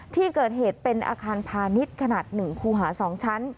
ที่เกิดเหตุเป็นอาคารพานิดขนาดหนึ่งภูหาสองชั้น